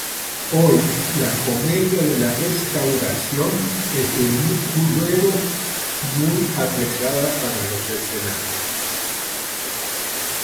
Hoy, la comedia de la Restauración es de nuevo muy apreciada para los escenarios.